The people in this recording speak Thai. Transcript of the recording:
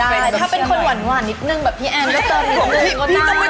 ใช่ถ้าเป็นคนหวานนิดนึงแบบพี่แอนก็เติมนิดนึง